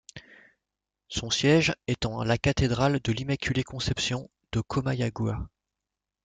Son siège est en la cathédrale de l'Immaculée-Conception de Comayagua.